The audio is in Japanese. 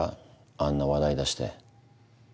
あんな話題出して。